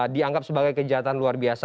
dianggap sebagai kejahatan luar biasa